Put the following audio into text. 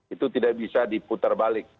itu tidak bisa diputar balik